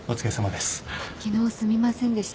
昨日すみませんでした。